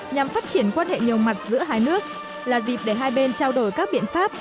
nhằm phát triển quan hệ nhiều mặt giữa hai nước là dịp để hai bên trao đổi các biện pháp